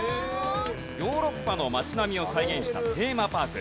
ヨーロッパの街並みを再現したテーマパーク。